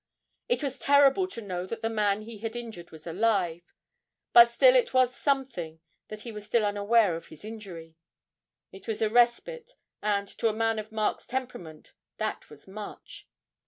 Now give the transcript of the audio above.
It was terrible to know that the man he had injured was alive, but still it was something that he was still unaware of his injury; it was a respite, and, to a man of Mark's temperament, that was much.